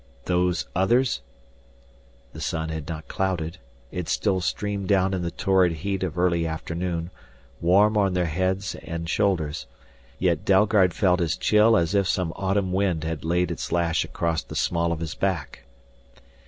"Those Others?" The sun had not clouded, it still streamed down in the torrid heat of early afternoon, warm on their heads and shoulders. Yet Dalgard felt as chill as if some autumn wind had laid its lash across the small of his back.